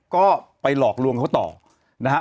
ก็ไปหลอกลวงเขาต่อนะฮะ